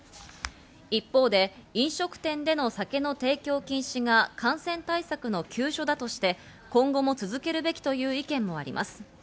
一方で飲食店での酒の提供禁止が感染対策の急所だとして、今後も続けるべきという意見もあります。